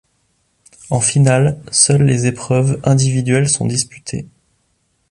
En finale, seul les épreuves individuelles sont disputées.